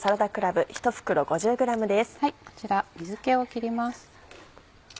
こちら水気を切ります。